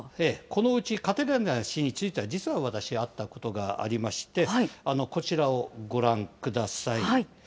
このうち、カテリーナ氏については実は私、会ったことがありまして、こちらをご覧ください。